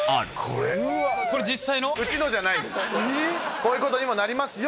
こういうことにもなりますよ！